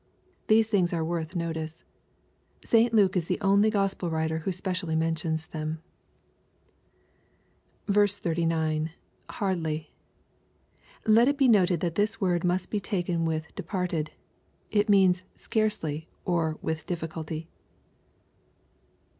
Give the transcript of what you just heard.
These things are worth notice. St Luke is the only Gospel writer who specially mentions them. 39. — [Hardly.] Let it be noted that this word must be taken with " departed." It means " scarcely, or " with difficulty."